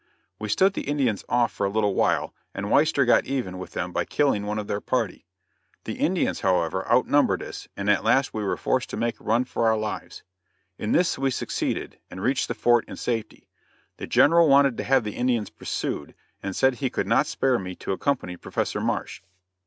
We stood the Indians off for a little while, and Weister got even with them by killing one of their party. The Indians, however, outnumbered us, and at last we were forced to make a run for our lives. In this we succeeded, and reached the fort in safety. The General wanted to have the Indians pursued, and said he could not spare me to accompany Professor Marsh.